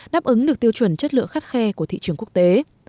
đáp ứng được tiêu chuẩn chất lượng khắt khe của thị trường quốc tế